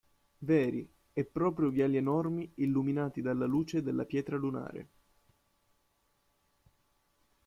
Veri e proprio viali enormi illuminati dalla luce della pietra lunare.